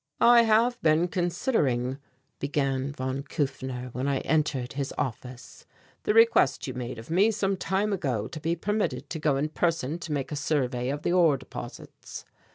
"I have been considering," began von Kufner, when I entered his office, "the request you made of me some time ago to be permitted to go in person to make a survey of the ore deposits.